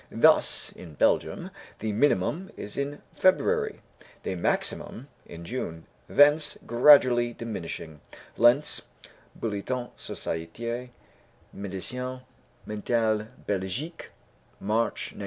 Thus, in Belgium, the minimum is in February; the maximum in June, thence gradually diminishing (Lentz, Bulletin Société Médecine Mentale Belgique, March, 1901).